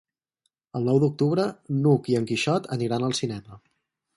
El nou d'octubre n'Hug i en Quixot aniran al cinema.